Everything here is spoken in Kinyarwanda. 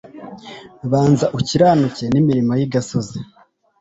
Banza ukiranuke n’imirimo y’igasozi